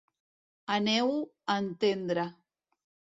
Aneu-ho a entendre!